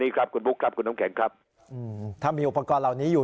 ครับคุณบุ๊คครับคุณน้ำแข็งครับอืมถ้ามีอุปกรณ์เหล่านี้อยู่